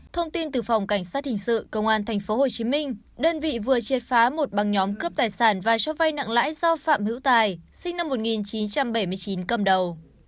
thông tin từ phòng cảnh sát hình sự công an tp hcm đơn vị vừa triệt phá một bằng nhóm cướp tài sản và cho vay nặng lãi do phạm hữu tài sinh năm một nghìn chín trăm bảy mươi chín cầm đầu